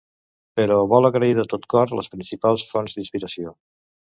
Però vol agrair de tot cor les principals fonts d'inspiració